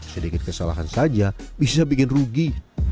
sedikit kesalahan saja bisa bikin rugi